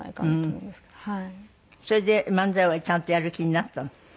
それで漫才はちゃんとやる気になったの？